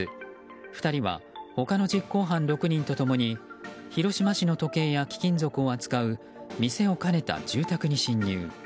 ２人は他の実行犯６人と共に広島市の、時計や貴金属を扱う店を兼ねた住宅に侵入。